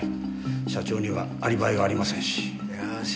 社長にはアリバイがありませんし。